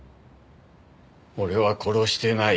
俺は殺してない。